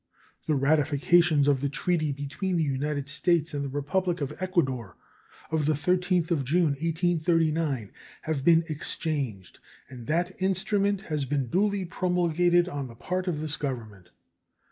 The ratifications of the treaty between the United States and the Republic of Ecuador of the 13th of June, 1839, have been exchanged, and that instrument has been duly promulgated on the part of this Government.